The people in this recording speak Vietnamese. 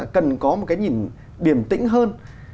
cần có một cái nhìn điềm tĩnh hơn